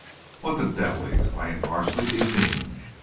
"What the devil," he exclaimed, harshly, "do you mean?